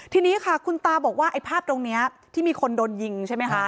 ทีนี้ค่ะคุณตาบอกว่าไอ้ภาพตรงนี้ที่มีคนโดนยิงใช่ไหมคะ